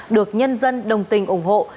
được nhân dân đồng tình ủng hộ